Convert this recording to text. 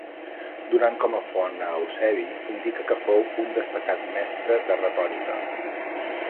Donant com a font a Eusebi indica que fou un destacat mestre de retòrica.